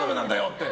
って。